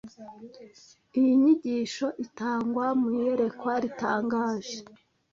Iyi nyigisho itangwa mu iyerekwa ritangaje